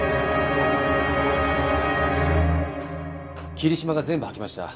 霧島が全部吐きました。